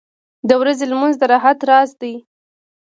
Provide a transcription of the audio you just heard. • د ورځې لمونځ د راحت راز دی.